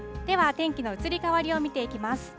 では天気の移り変わりを見ていきます。